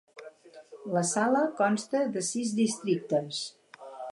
La sala consta de sis districtes.